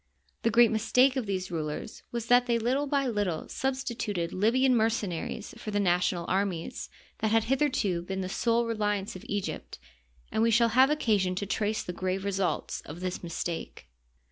The great mistake of these rulers was that they little by little substituted Libyan mercenaries for the national armies that had hitherto been the sole reli ance of Egypt, and we shall have occasion to trace the grave results of this mistake.